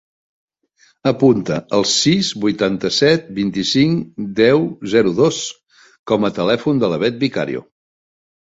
Apunta el sis, vuitanta-set, vint-i-cinc, deu, zero, dos com a telèfon de la Beth Vicario.